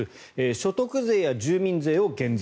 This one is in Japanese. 所得税や住民税を減税。